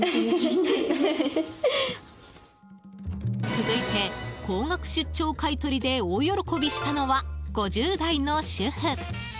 続いて、高額出張買い取りで大喜びしたのは、５０代の主婦。